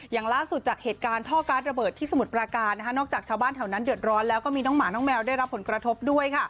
อย่างล่าสุดจากเหตุการณ์ท่อการ์ดระเบิดที่สมุทรปราการนอกจากชาวบ้านแถวนั้นเดือดร้อนแล้วก็มีน้องหมาน้องแมวได้รับผลกระทบด้วย